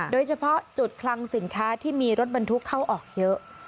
โดยเฉพาะจุดคลังสินค้าที่มีรถบรรทุกเข้าออกเยอะ